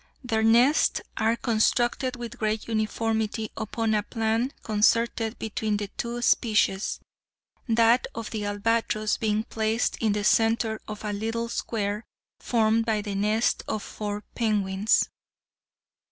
Their nests are constructed with great uniformity upon a plan concerted between the two species—that of the albatross being placed in the centre of a little square formed by the nests of four penguins.